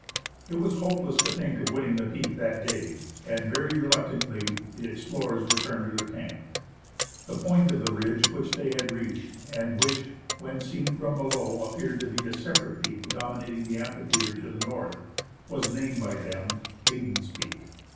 It was hopeless to think of winning the peak that day, and, very reluctantly, the explorers returned to their camp. The point of the ridge which they had reached, and which, when seen from below, appeared to be a separate peak dominating the amphitheatre to the north, was named by them " Hadon's Peak."